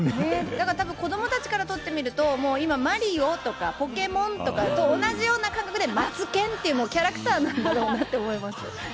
だからたぶん、子どもたちからとってみると、もう今、マリオとかポケモンとかと同じような感覚で、マツケンっていう、もうキャラクターなんだろうなって思います。